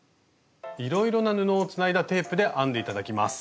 いろいろな布をつないだテープで編んで頂きます。